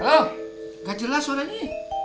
halo gak jelas suaranya